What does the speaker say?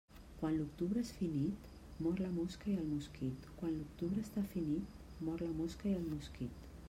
Quan l'octubre és finit, mor la mosca i el mosquit Quan l'octubre està finit, mor la mosca i el mosquit.